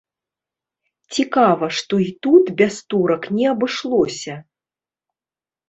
Цікава, што і тут без турак не абышлося.